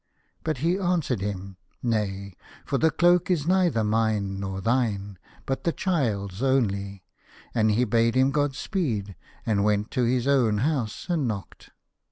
But he answered him :" Nay, for the cloak is neither mine nor thine, but the child's only," and he bade him Godspeed, and went to his own house and knocked.